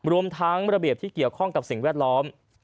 รวมทั้งระเบียบที่เกี่ยวข้องกับสิ่งแวดล้อม